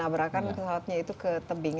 dan menabrakkan pesawatnya itu ke tebingnya